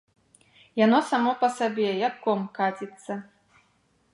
Яно само па сабе, як ком каціцца.